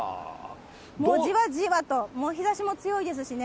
じわじわと、日ざしも強いですしね。